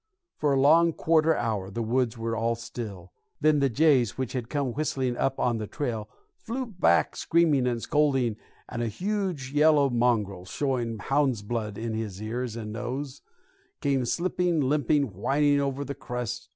For a long quarter hour the woods were all still; then the jays, which had come whistling up on the trail, flew back screaming and scolding, and a huge yellow mongrel, showing hound's blood in his ears and nose, came slipping, limping, whining over the crust.